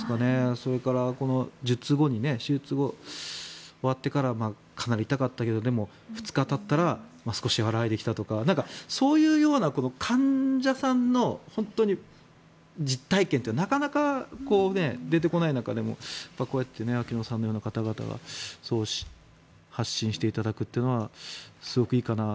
それから手術後に終わってからかなり痛かったけどでも、２日たったら少し和らいできたとかそういうような患者さんの実体験ってなかなか出てこない中でこうやって秋野さんのような方々が発信していただくというのはすごくいいかなと。